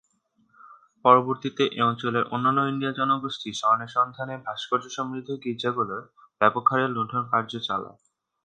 পরবর্তীতে এ অঞ্চলের অন্যান্য ইন্ডিয়ান জনগোষ্ঠী স্বর্ণের সন্ধানে ভাস্কর্য সমৃদ্ধ গির্জাগুলোয় ব্যাপকহারে লুণ্ঠন কার্য চালায়।